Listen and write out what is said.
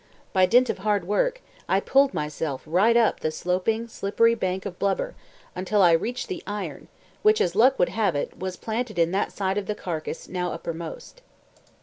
By dint of hard work I pulled myself right up the sloping, slippery bank of blubber, until I reached the iron, which, as luck would have it, was planted in that side of the carcass now uppermost.